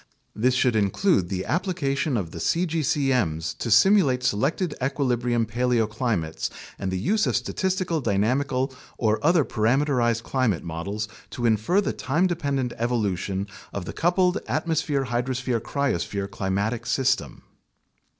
This should include the ap plication of the cgcm's to simulate selected equilibrium paleoclimates and the use of statistical dynamical or other parameterized climate models to infer the time dependent evolution of the coupled atmosphere hydrosphere cryosphere climatic system.